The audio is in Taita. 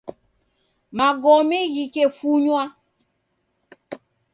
Magome ghikefunywa